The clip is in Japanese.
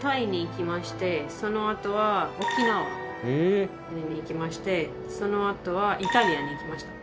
そのあとは沖縄に行きましてそのあとはイタリアに行きました。